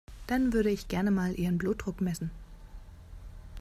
Dann würde ich gerne mal Ihren Blutdruck messen.